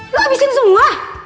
lo abisin semua